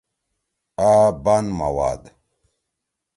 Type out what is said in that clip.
آ بان ما واد